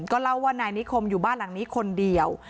ก็เล่าว่านายนิคมอยู่บ้านหลังนี้คนเดียว